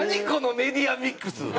このメディアミックス。